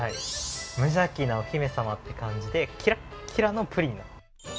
無邪気なお姫さまって感じで、キラッキラのプリン。